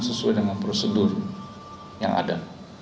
sesuai dengan prosedur yang ada